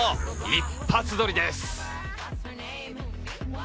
一発録りです。